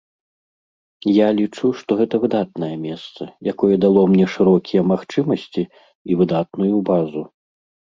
Я лічу, што гэта выдатнае месца, якое дало мне шырокія магчымасці і выдатную базу.